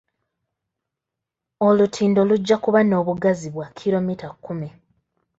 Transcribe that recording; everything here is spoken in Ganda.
Olutindo lujja kuba n'obugazi bwa kkiromita kkumi.